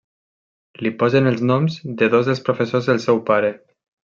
Li posen els noms de dos dels professors del seu pare.